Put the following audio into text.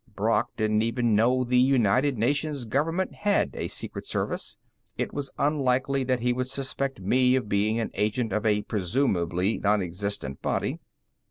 Brock didn't even know the United Nations Government had a Secret Service; it was unlikely that he would suspect me of being an agent of a presumably nonexistent body.